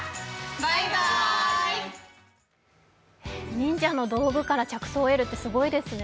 忍者の道具から着想を得るって、すごいですね。